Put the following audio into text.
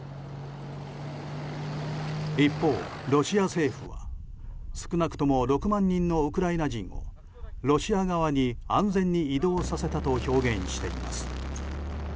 一方、ロシア政府は少なくとも６万人のウクライナ人をロシア側に安全に移動させたと表現しています。